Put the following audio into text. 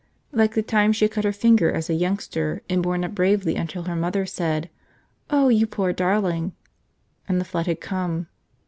Like the time she had cut her finger as a youngster and borne up bravely until her mother said, "Oh, you poor darling!" and the flood had come.